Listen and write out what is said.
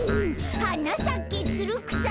「はなさけつるくさ」